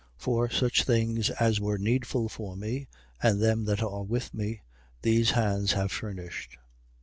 For such things as were needful for me and them that are with me, these hands have furnished.